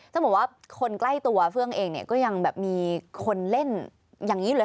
ถ้าบอกว่าคนใกล้ตัวเฟืองเองก็ยังมีคนเล่นอย่างนี้อยู่เลย